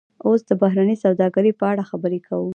اوس د بهرنۍ سوداګرۍ په اړه خبرې کوو